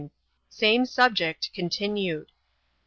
Same subject continaed.'